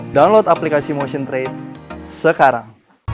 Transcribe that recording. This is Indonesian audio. download aplikasi motion trade sekarang